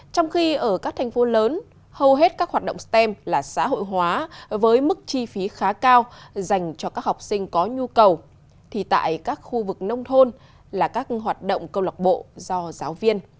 trong khi ở các thành phố lớn hầu hết các hoạt động stem là xã hội hóa với mức chi phí khá cao dành cho các học sinh có nhu cầu thì tại các khu vực nông thôn là các hoạt động câu lạc bộ do giáo viên